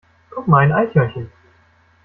Guck mal, ein Eichhörnchen!